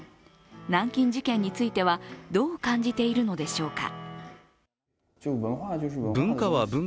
南京事件についてはどう感じているのでしょうか。